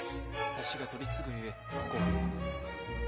私が取り次ぐゆえここは。